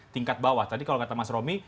tingkat bawah tadi kalau kata mas romi